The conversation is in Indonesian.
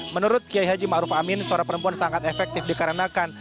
menurut kiai haji ma'ruf amin suara perempuan sangat efektif dikarenakan